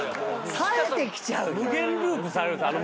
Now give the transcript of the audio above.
さえてきちゃうじゃん。